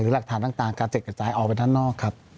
หลักฐานต่างกระจัดกระจายออกไปด้านนอกครับ